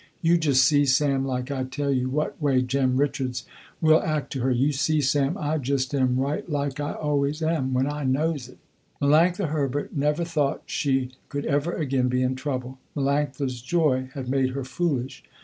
You just see Sam like I tell you, what way Jem Richards will act to her, you see Sam I just am right like I always am when I knows it." Melanctha Herbert never thought she could ever again be in trouble. Melanctha's joy had made her foolish.